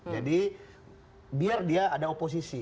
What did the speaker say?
jadi biar dia ada oposisi